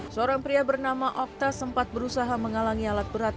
seorang pria bernama okta sempat berusaha mengalangi alat berat